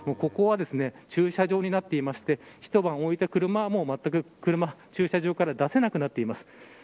ここは駐車場になっていまして一晩、置いた車はまったく車、駐車場から出せなくなっています。